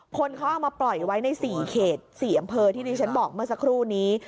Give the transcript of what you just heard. คนเขาเอามาปล่อยไว้ใน๔เขต๔อำเภอที่ที่ฉันบอกเมื่อสักครู่นี้